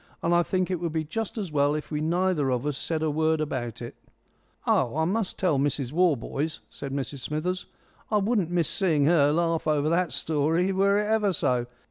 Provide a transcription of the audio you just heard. And I think it would be just as well if we neither of us said a word about it." "Oh, I must tell Mrs Warboys," said Mrs Smithers. "I wouldn't miss seeing her laugh over that story were it ever so.